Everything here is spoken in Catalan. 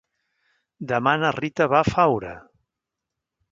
Demà na Rita va a Faura.